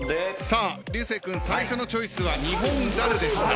さあ流星君最初のチョイスはニホンザルでした。